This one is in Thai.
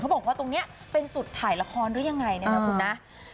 บอกว่าตรงนี้เป็นจุดถ่ายละครหรือยังไงนะครับคุณนะ